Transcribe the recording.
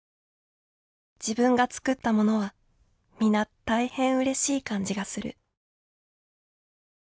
自分が作ったものは皆大変うれしい感じがする」。